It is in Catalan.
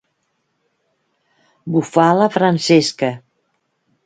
Bufar la Francesca.